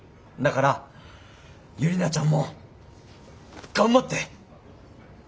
だからユリナちゃんも頑張って！